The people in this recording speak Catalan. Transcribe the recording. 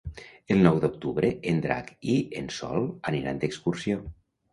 El nou d'octubre en Drac i en Sol aniran d'excursió.